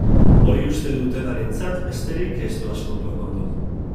Hori uste dutenarentzat besterik ez doaz kontuak ondo.